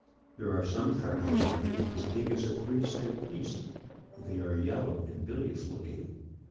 There are some freckles on me as big as a 3 cent piece, and they are yellow and bilious looking.